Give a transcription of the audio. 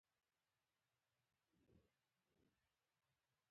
هغه وويل.